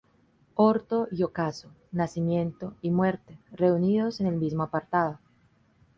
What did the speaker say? Orto y ocaso, nacimiento y muerte, reunidos en el mismo apartado.